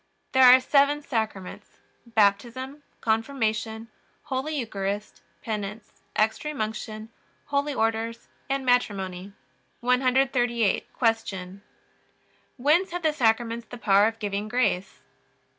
There are seven Sacraments: Baptism, Confirmation, Holy Eucharist, Penance, Extreme Unction, Holy Orders, and Matrimony. 138. Q. Whence have the Sacraments the power of giving grace?